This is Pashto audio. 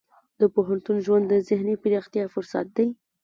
د پوهنتون ژوند د ذهني پراختیا فرصت دی.